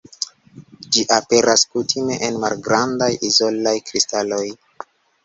Ĝi aperas kutime en malgrandaj izolaj kristaloj.